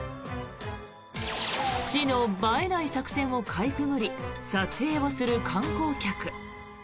市の映えない作戦をかいくぐり撮影をする観光客。